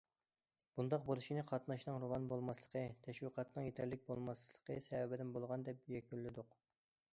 بۇنداق بولۇشىنى قاتناشنىڭ راۋان بولماسلىقى، تەشۋىقاتنىڭ يېتەرلىك بولماسلىقى سەۋەبىدىن بولغان، دەپ يەكۈنلىدۇق.